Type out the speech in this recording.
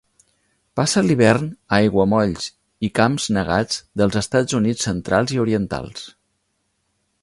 Passa l'hivern a aiguamolls i camps negats dels Estats Units centrals i orientals.